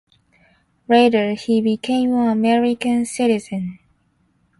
Later, he became an American citizen.